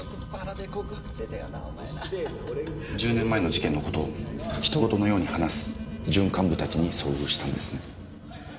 １０年前の事件の事を他人事のように話す準幹部たちに遭遇したんですね。